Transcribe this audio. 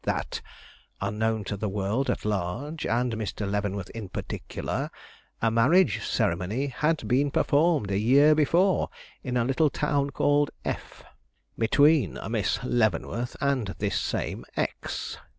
That, unknown to the world at large, and Mr. Leavenworth in particular, a marriage ceremony had been performed a year before in a little town called F between a Miss Leavenworth and this same X.